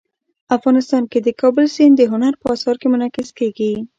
افغانستان کې د کابل سیند د هنر په اثار کې منعکس کېږي.